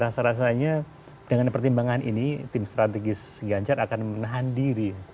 jadi rasa rasanya dengan pertimbangan ini tim strategis ganjar akan menahan diri